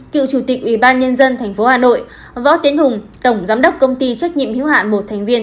cựu chủ tịch ubnd tp hà nội võ tiến hùng tổng giám đốc công ty trách nhiệm hiếu hạn